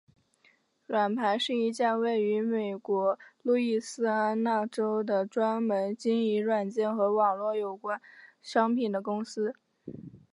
软盘是一家位于美国路易斯安那州的专门经营软件和网络有关商品的公司。